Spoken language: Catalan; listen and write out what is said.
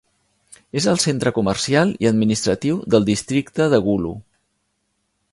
És el centre comercial i administratiu del districte de Gulu.